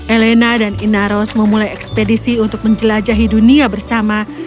elena dan inaros memulai ekspedisi untuk menjelajahi dunia bersama